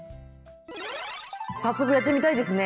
早速やってみたいですね。